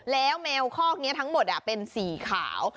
แล้วแมวคอกนี้ทั้งหมดเป็นสีขาว